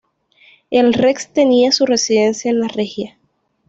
El rex tenía su residencia en la Regia.